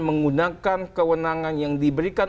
menggunakan kewenangan yang diberikan